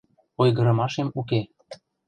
— Ойгырымашем уке.